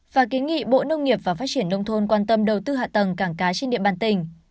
và kiến nghị bộ nông nghiệp và phát triển nông thôn quan tâm đầu tư hạ tầng cảng cá trên địa bàn tỉnh